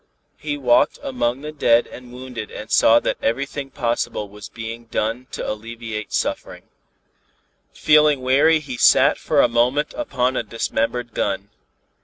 He walked among the dead and wounded and saw that everything possible was being done to alleviate suffering. Feeling weary he sat for a moment upon a dismembered gun.